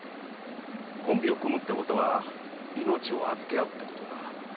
コンビを組むってことは命を預け合うってことだ。